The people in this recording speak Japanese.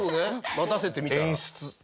待たせてみたら？